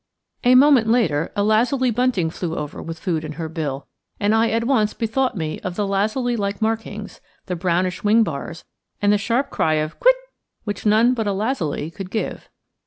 A moment later a lazuli bunting flew over with food in her bill, and I at once bethought me of the lazuli like markings, the brownish wing bars and the sharp cry of "quit," which none but a lazuli could give.